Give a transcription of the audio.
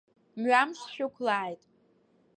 Мҩамш шәықәлааит!